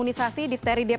ini tidak terlalu lama